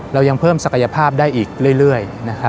เรายังเพิ่มศักยภาพได้อีกเรื่อย